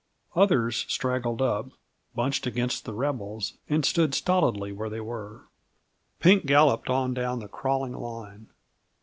Others straggled up, bunched against the rebels, and stood stolidly where they were. Pink galloped on down the crawling line.